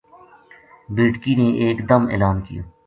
بیٹکی نے ایک دم اعلان کیو